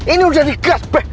ini udah digas